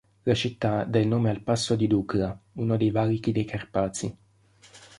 La città dà il nome al Passo di Dukla, uno dei valichi dei Carpazi.